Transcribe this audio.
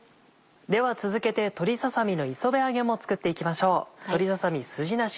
では続けて鶏ささ身の磯辺揚げも作っていきましょう。